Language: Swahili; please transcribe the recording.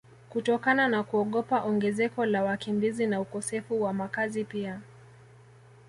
kutokana na kuogopa ongezeko la wakimbizi na ukosefu wa makazi pia